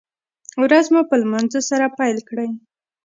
ورځ مو په لمانځه سره پیل کړئ